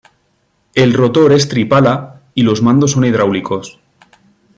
El rotor es tripala y los mandos son hidráulicos.